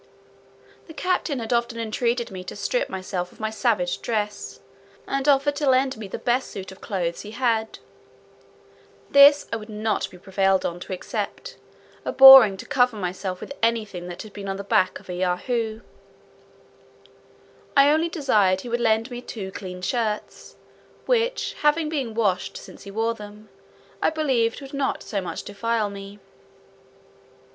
The captain had often entreated me to strip myself of my savage dress, and offered to lend me the best suit of clothes he had. This I would not be prevailed on to accept, abhorring to cover myself with any thing that had been on the back of a Yahoo. I only desired he would lend me two clean shirts, which, having been washed since he wore them, I believed would not so much defile me.